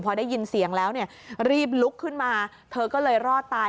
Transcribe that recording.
พอได้ยินเสียงแล้วเนี่ยรีบลุกขึ้นมาเธอก็เลยรอดตาย